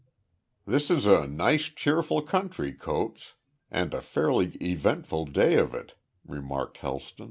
"This is a nice cheerful country, Coates, and a fairly eventful day of it," remarked Helston.